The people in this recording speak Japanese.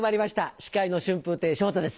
司会の春風亭昇太です。